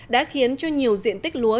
đã khiến cho nhiều diện tích lúa